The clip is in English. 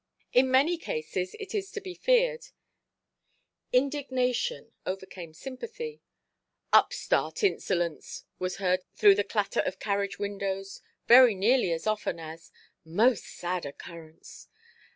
In many cases, it is to be feared, indignation overcame sympathy; "upstart insolence"! was heard through the clatter of carriage–windows, very nearly as often as, "most sad occurrence"!